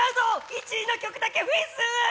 １位の曲だけフェス」。